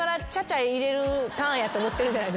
ターンやと思ってるじゃないですか。